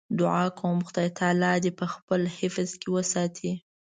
دعا کوم خدای تعالی دې په خپل حفظ کې وساتي.